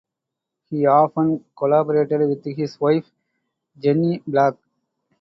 He often collaborated with his wife Jeanne Block.